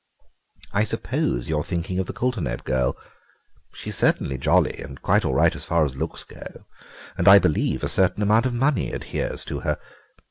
I suppose you're thinking of the Coulterneb girl. She's certainly jolly, and quite all right as far as looks go, and I believe a certain amount of money adheres to her.